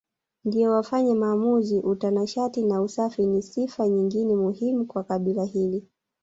ndio wafanye maamuzi Utanashati na usafi ni sifa nyingine muhimu kwa kabila hili